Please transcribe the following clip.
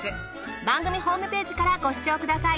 番組ホームページからご視聴ください